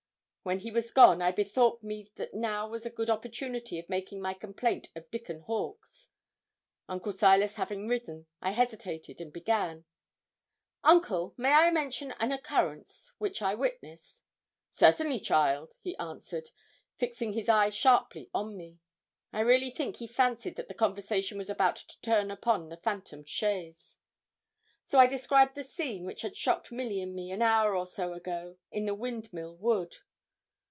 When he was gone, I bethought me that now was a good opportunity of making my complaint of Dickon Hawkes. Uncle Silas having risen, I hesitated, and began, 'Uncle, may I mention an occurrence which I witnessed?' 'Certainly, child,' he answered, fixing his eye sharply on me. I really think he fancied that the conversation was about to turn upon the phantom chaise. So I described the scene which had shocked Milly and me, an hour or so ago, in the Windmill Wood.